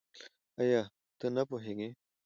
آيا ته نه پوهېږې؟